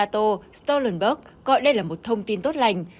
ngoại trưởng nato stoltenberg gọi đây là một thông tin tốt lành